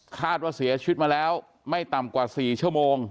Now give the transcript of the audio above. คาดว่าเสียชีวิตมาแล้วไม่ต่ำกว่า๔ชั่วโมง